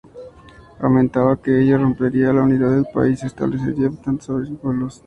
Argumentaba que ello rompería la unidad del país y establecería tantas soberanías como pueblos.